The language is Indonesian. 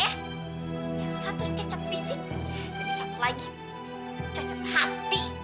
yang satu cacat fisik jadi satu lagi cacat hati